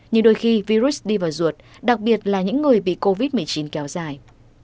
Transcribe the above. nhưng đôi khi virus đi vào ruột đặc biệt là những người bị covid một mươi chín kéo dài